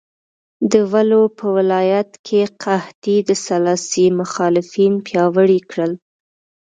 د ولو په ولایت کې قحطۍ د سلاسي مخالفین پیاوړي کړل.